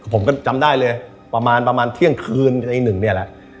ผมก็จำได้เลยประมาณประมาณเที่ยงคืนในหนึ่งเนี่ยแหละ